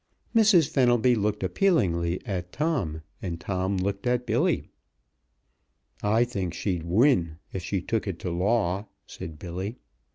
Mrs. Fenelby looked appealingly at Tom, and Tom looked at Billy. "I think she'd win, if she took it to law," said Billy.